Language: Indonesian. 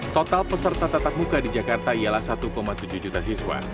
total peserta tatap muka di jakarta ialah satu tujuh juta siswa